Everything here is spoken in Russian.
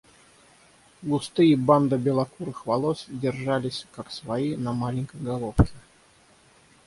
Густые бандо белокурых волос держались как свои на маленькой головке.